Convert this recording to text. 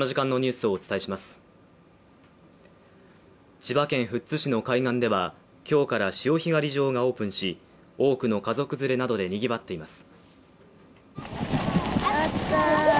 千葉県富津市の海岸では、今日から潮干狩り場がオープンし、多くの家族連れなどでにぎわっています。